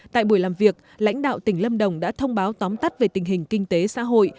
tại buổi làm việc lãnh đạo tỉnh lâm đồng đã thông báo tóm tắt về tình hình kinh tế xã hội